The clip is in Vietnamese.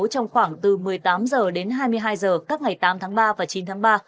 trong khoảng từ một mươi tám h đến hai mươi hai h các ngày tám tháng ba và chín tháng ba